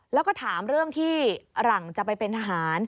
แล้วก็ถามเรื่องที่หลังจะไปเป็นทหาร